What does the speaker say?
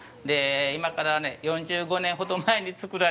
今からね４５年ほど前に作られた人形。